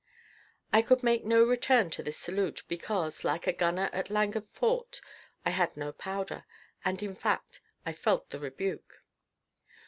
I could make no return to this salute, because, like the gunner at Landguard Fort, I had no powder, and, in fact, I felt the rebuke.